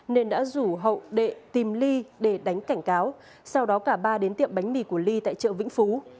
nên đã rủ hậu đệ tìm ly để đánh cảnh cáo sau đó cả ba đến tiệm bánh mì của ly tại chợ vĩnh phú